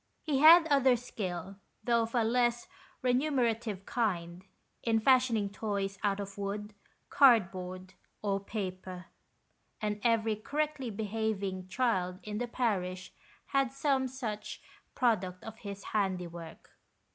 He had other skill, though of a less remunerative kind, in fashioning toys out of wood, cardboard, or paper; and every correctly 47 &HOST TiLLES. behaving child in the parish had some such product of his handiwork.